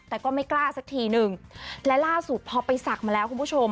แต่ก็ไม่กล้าสักทีหนึ่งและล่าสุดพอไปศักดิ์มาแล้วคุณผู้ชม